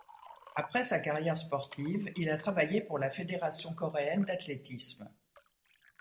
Après sa carrière sportive, il a travaillé pour la fédération coréenne d'athlétisme.